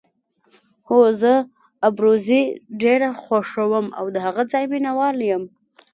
هو، زه ابروزي ډېره خوښوم او د هغه ځای مینه وال یم.